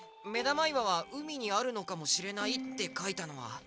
「めだまいわはうみにあるのかもしれない」ってかいたのは。